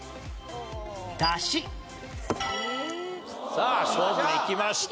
さあ勝負にいきました。